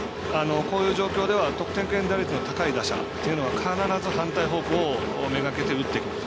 こういう状況では得点圏打率の高い打者というのは必ず反対方向をめがけて打ってきます。